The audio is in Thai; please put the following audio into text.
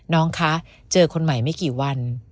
น้องคะเจอคนใหม่ไม่กี่วัน